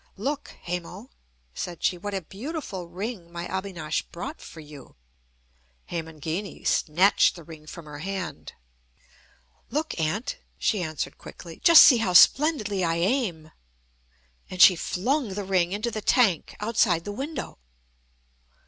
"Look, Hemo," said she, "what a beautiful ring my Abinash brought for you." Hemangini snatched the ring from her hand. "Look, Aunt," she answered quickly, "just see how splendidly I aim." And she flung the ring into the tank outside the window.